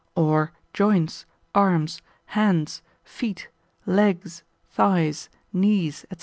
Or joints, arms, hands, feet, legs, thighs, knees, &c.